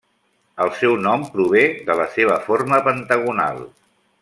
El seu nom prové de la seva forma pentagonal.